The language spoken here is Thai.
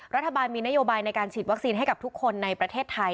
รัฐบาลมีนโยบายในการฉีดวัคซีนให้กับทุกคนในประเทศไทย